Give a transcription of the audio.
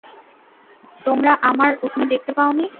তোমরা আমার উটনী দেখতে পাওনি?